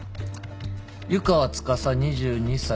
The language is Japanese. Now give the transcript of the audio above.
湯川司２２歳。